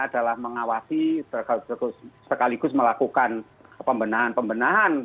adalah mengawasi sekaligus melakukan pembinaan pembinaan